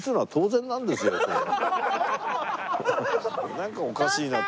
なんかおかしいなって。